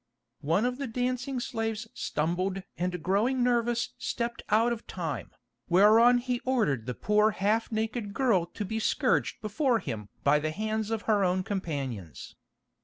One of the dancing slaves stumbled and growing nervous stepped out of time, whereon he ordered the poor half naked girl to be scourged before him by the hands of her own companions.